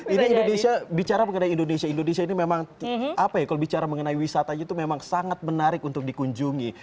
ini indonesia bicara mengenai indonesia indonesia ini memang apa ya kalau bicara mengenai wisatanya itu memang sangat menarik untuk dikunjungi